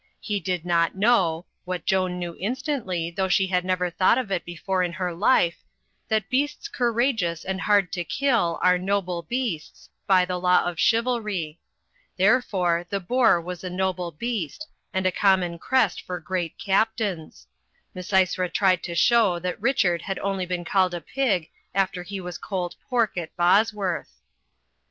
He did not know (what Joan knew instantly, though she had never thought of it before in her life) that beasts courageous and hard to kill are noble beasts, by the law of chivalry. Therefore, the boar was a noble beast, and a common 128 THE FLYING INN crest for great captains. Misysra tried to show that Richard had only been called a pig after he was cold pork at Bosworth.